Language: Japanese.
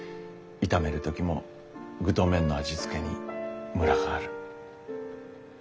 炒める時も具と麺の味付けにムラがある。